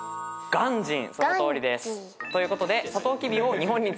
がんじんそのとおりです。ということで。